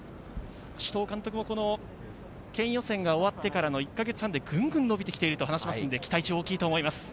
首藤監督も県予選が終わってからの１か月半でぐんぐん伸びてきていると話しますので、期待値も大きいと思います。